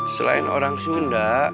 selain orang sunda